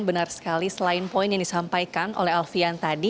benar sekali selain poin yang disampaikan oleh alfian tadi